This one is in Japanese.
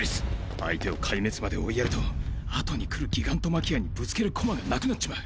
相手を壊滅まで追いやると後に来るギガントマキアにぶつける駒がなくなっちまう！